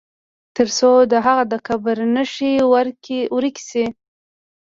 تر څو د هغه د قبر نښي ورکي سي.